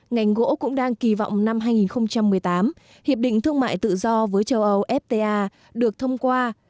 ngành gỗ cũng đang kỳ vọng năm hai nghìn một mươi tám hiệp định thương mại tự do với châu âu fta được thông qua